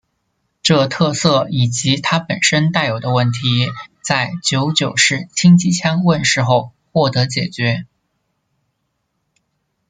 这特色以及它本身带有的问题在九九式轻机枪问世后获得解决。